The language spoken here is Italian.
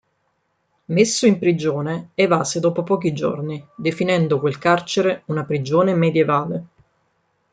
Messo in prigione, evase dopo pochi giorni, definendo quel carcere una "prigione medioevale".